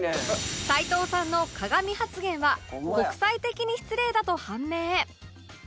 齊藤さんの鏡発言は国際的に失礼だと判明